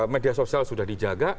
media sosial sudah dijaga